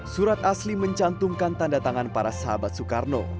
surat asli mencantumkan tanda tangan para sahabat soekarno